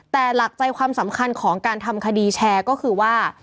แต่หลักใจความสำคัญของการทำคดีแชร์ก็คือว่า